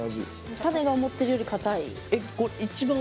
種が思ってるより堅い。